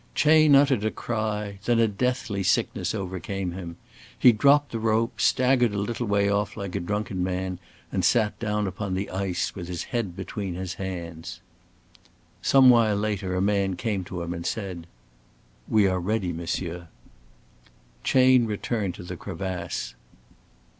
Chayne uttered a cry; then a deathly sickness overcame him. He dropped the rope, staggered a little way off like a drunken man and sat down upon the ice with his head between his hands. Some while later a man came to him and said: "We are ready, monsieur." Chayne returned to the crevasse.